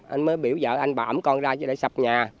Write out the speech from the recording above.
anh mới biểu vợ anh bảo ẩm con ra để sập nhà